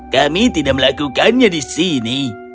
kami tidak melakukannya di sini